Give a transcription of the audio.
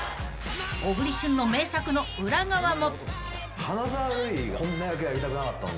小栗旬の名作の裏側も。